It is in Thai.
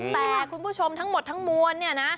แต่คุณผู้ชมทั้งหมดทั้งมวลเนี่ยนะ